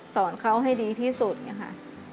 สอนเขาให้ดีที่สุดค่ะ